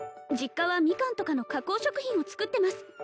実家はミカンとかの加工食品を作ってます